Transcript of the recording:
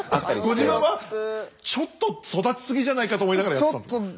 ご自分はちょっと育ち過ぎじゃないかと思いながらやってたんですか？